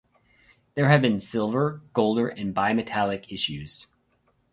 There have been silver, golder and bimetallic issues.